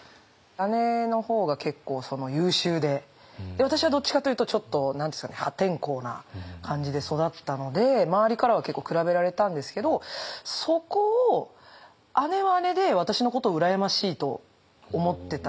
姉の方が結構優秀で私はどっちかというとちょっと破天荒な感じで育ったので周りからは結構比べられたんですけどそこを姉は姉で私のことを羨ましいと思ってたみたいで。